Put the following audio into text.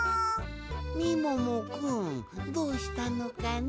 みももくんどうしたのかね？